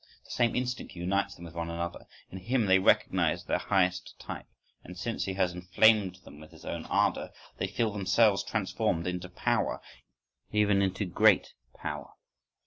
The same instinct unites them with one another; in him they recognise their highest type, and since he has inflamed them with his own ardour they feel themselves transformed into power, even into great power.